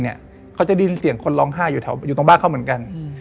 เขาจะได้ยินเสียงคนร้องไห้อยู่แถวอยู่ตรงบ้านเขาเหมือนกัน